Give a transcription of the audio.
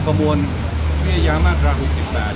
ประมวลพิเศษยามราชราคุกติดแบท